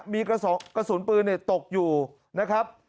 มีกระสุนปืนตกอยู่นะครับ